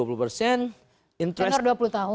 tenor dua puluh tahun